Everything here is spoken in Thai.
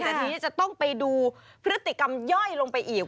แต่ทีนี้จะต้องไปดูพฤติกรรมย่อยลงไปอีก